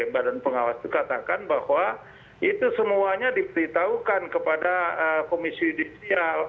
badan pengawas itu katakan bahwa itu semuanya diberitahukan kepada komisi judisial